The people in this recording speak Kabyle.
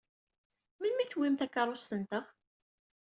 Melmi i tewwim takeṛṛust-nteɣ?